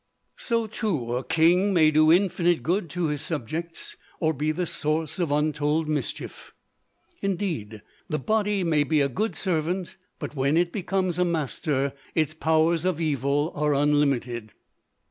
So too, a king may do infinite good to his subjects, or be the source of untold mischief. Indeed, the body may be a good servant, but, when it becomes a master, its powers of evil are unlimited.